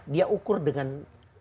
dia ukur dengan umatnya